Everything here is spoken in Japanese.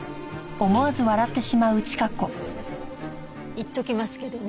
言っときますけどね